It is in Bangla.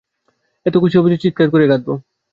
এত খুশি হব যে চিৎকার করে কাঁদব।